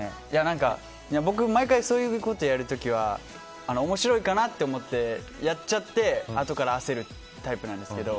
僕、毎回そういうことやる時は面白いかなと思ってやっちゃってあとから焦るタイプなんですけど。